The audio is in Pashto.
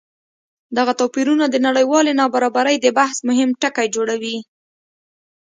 دغه توپیرونه د نړیوالې نابرابرۍ د بحث مهم ټکی جوړوي.